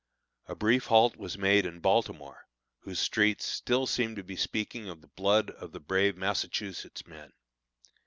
A brief halt was made in Baltimore, whose streets still seem to be speaking of the blood of the brave Massachusetts men.